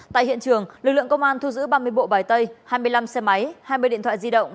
tại hiện trường lực lượng công an thu giữ ba mươi bộ bài tay hai mươi năm xe máy hai mươi điện thoại di động